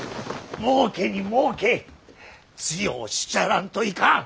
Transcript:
もうけにもうけ強うしちゃらんといかん。